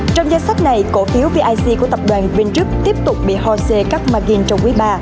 trong danh sách này cổ phiếu vic của tập đoàn vingroup tiếp tục bị hồ sê cắt margin trong quý ba